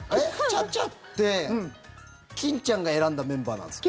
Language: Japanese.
ＣＨＡ−ＣＨＡって欽ちゃんが選んだメンバーなんですか？